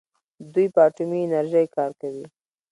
دوی په اټومي انرژۍ کار کوي.